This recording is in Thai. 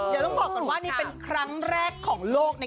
กับเพลงที่มีชื่อว่ากี่รอบก็ได้